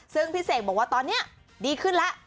ซึ่งพี่เสกบอกว่าตอนนี้ดีขึ้นแล้ว